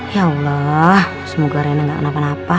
ya allah semoga rene gak kenapa napa